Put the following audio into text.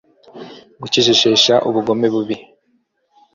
gucecekesha ubugome bubi